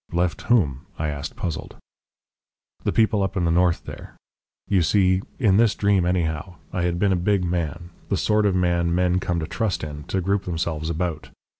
"Left whom?" I asked, puzzled. "The people up in the north there. You see in this dream, anyhow I had been a big man, the sort of man men come to trust in, to group themselves about.